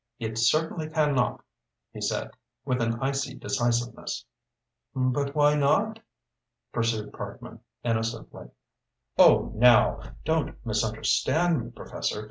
"It certainly can not," he said, with an icy decisiveness. "But why not?" pursued Parkman, innocently. "Oh, now, don't misunderstand me, Professor.